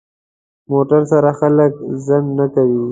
موټر سره خلک ځنډ نه کوي.